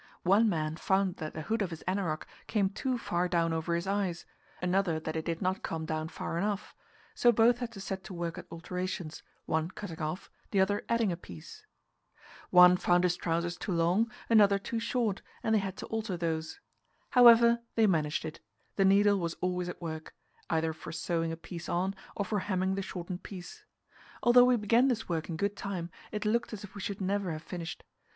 One man found that the hood of his anorak came too far down over his eyes, another that it did not come down far enough; so both had to set to work at alterations, one cutting off, the other adding a piece. One found his trousers too long, another too short, and they had to alter those. However, they managed it; the needle was always at work, either for sewing a piece on, or for hemming the shortened piece. Although we began this work in good time, it looked as if we should never have finished.